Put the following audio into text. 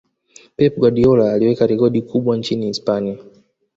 pep guardiola aliwekia rekodi kubwa nchini hispania